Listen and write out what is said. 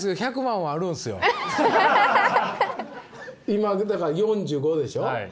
今だから４５でしょ。